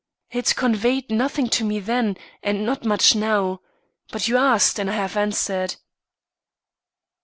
It conveyed nothing to me then, and not much now. But you asked, and I have answered."